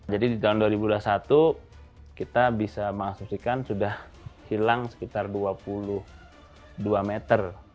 jadi di tahun dua ribu dua puluh satu kita bisa mengaksesikan sudah hilang sekitar dua puluh dua meter